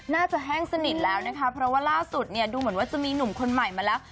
แห้งสนิทแล้วนะคะเพราะว่าล่าสุดเนี่ยดูเหมือนว่าจะมีหนุ่มคนใหม่มาแล้ว